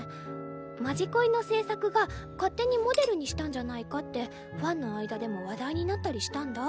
「まじこい」の制作が勝手にモデルにしたんじゃないかってファンの間でも話題になったりしたんだ。